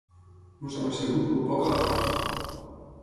Ens hem assegut molt poc a la taula.